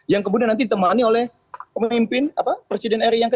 yang kemudian nanti ditemani oleh pemimpin presiden ri yang ke tujuh